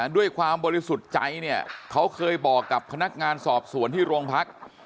ด้วยความบริสุทธิ์ใจเนี่ยเขาเคยบอกกับพนักงานสอบสวนที่โรงพัก